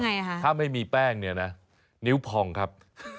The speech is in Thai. ถ้าไม่มีแป้งเนี่ยนะนิ้วพองครับ